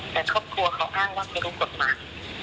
แต่ครอบครัวเขาอ้างว่าไม่รู้กฎหมาย